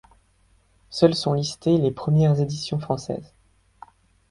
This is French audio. Seules sont listées les premières éditions françaises.